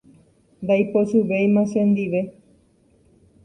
ndaipochyvéima chendive